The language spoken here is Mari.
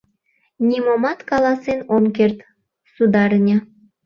— Нимомат каласен ом керт, сударыня.